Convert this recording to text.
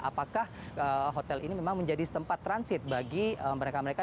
apakah hotel ini memang menjadi tempat transit bagi mereka mereka